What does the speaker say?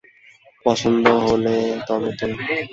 পছন্দ হলে তবে তো।